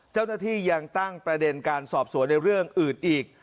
เจ้าหน้าที่ยังตั้งประเด็นการสอบสวนในเรื่องอื่นอีก